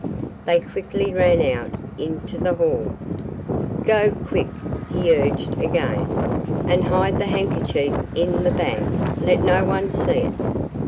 They quickly ran out into the hall. "Go quick!" he urged again, "and hide the handkerchief in the bag. Let no one see it!"